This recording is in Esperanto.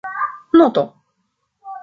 noto